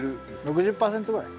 ６０％ぐらい。